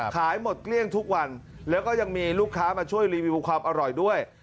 ขายหมดเกลี้ยงทุกวันแล้วก็ยังมีลูกค้ามาช่วยรีวิวความอร่อยด้วย